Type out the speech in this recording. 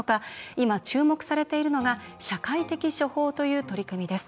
今、注目されているのが社会的処方という取り組みです。